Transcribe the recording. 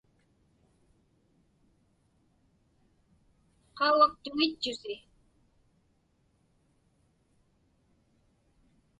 Qaugaktuŋitchusi.